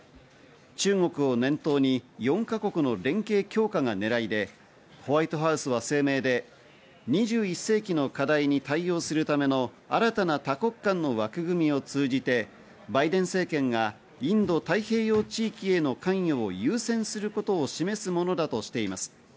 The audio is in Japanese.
中国を念頭に４か国の連携強化が狙いでホワイトハウスは声明で、２１世紀の課題に対応するための新たな多国間の枠組みを通じてバイデン政権がインド太平洋地域への関与を優先することを示すものだとしています。